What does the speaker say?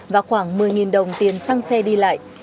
và khoảng một mươi đồng tiền xăng xe đi lại